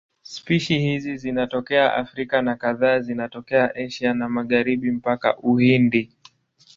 Spishi hizi zinatokea Afrika na kadhaa zinatokea Asia ya Magharibi mpaka Uhindi.